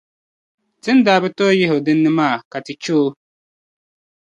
Ti ni daa bi tooi yih’ o di ni maa ka ti chɛ o.